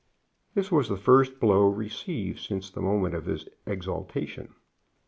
This was the first blow received since the moment of his exaltation.